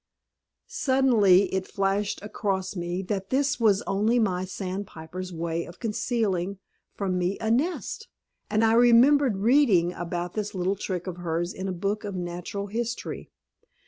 Suddenly it flashed across me that this was only my sandpiper's way of concealing from me a nest; and I remembered reading about this little trick of hers in a book of natural history.